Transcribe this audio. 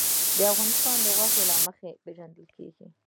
افغانستان د غوښې له مخې پېژندل کېږي.